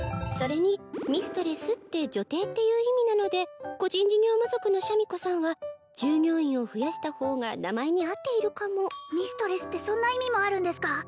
それにミストレスって女帝っていう意味なので個人事業魔族のシャミ子さんは従業員を増やした方が名前に合っているかもミストレスってそんな意味もあるんですか？